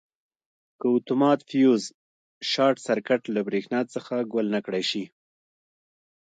که اتومات فیوز شارټ سرکټ له برېښنا څخه ګل نه کړای شي.